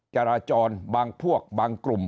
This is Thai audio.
จราจรบางพวกบางกลุ่ม